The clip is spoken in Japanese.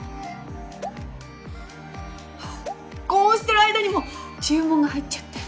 こうしてる間にも注文が入っちゃって。